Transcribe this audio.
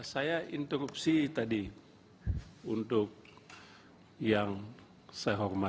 saya interupsi tadi untuk yang saya hormati